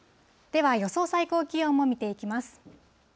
では予想最高気温も見ていきます。